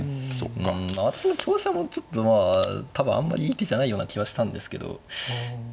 うん私の香車もちょっとまあ多分あんまりいい手じゃないような気はしたんですけど。